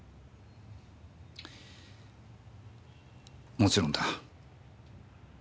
もちろんだ。